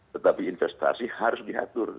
tetapi investasi harus diatur